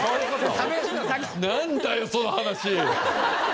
なんだよその話！